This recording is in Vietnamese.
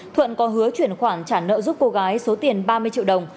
thuận có hứa chuyển khoản trả nợ giúp cô gái số tiền ba mươi triệu đồng